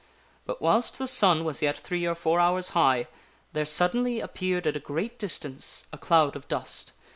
But, whilst the sun was yet three or four hours high, there suddenly appeared at a great distance a cloud of dust.